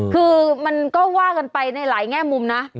คือมันก็ว่ากันไปในหลายแง่มุมนะ